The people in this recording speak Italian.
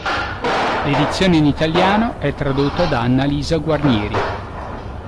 L'edizione in italiano è tradotta da Annalisa Guarnieri.